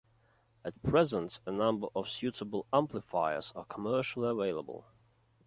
At present, a number of suitable amplifiers are commercially available.